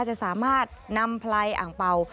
จะสามารถนำไพรอ่างเป่า